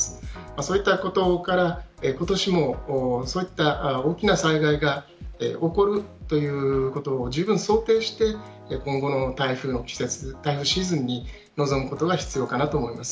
そういったことから、今年も大きな災害が起こるということをじゅうぶん想定してこの台風のシーズンに臨むことが必要かなと思います。